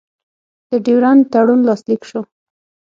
د ډیورنډ تړون لاسلیک شو.